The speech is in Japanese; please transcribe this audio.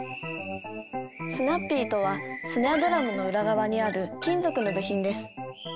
スナッピーとはスネアドラムの裏がわにある金属の部品です。